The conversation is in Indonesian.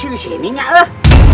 siapkan senjata kalian